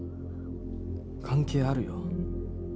関係あるよ。